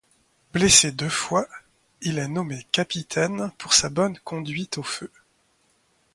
Blessé deux fois, il est nommé capitaine pour sa bonne conduite au feu.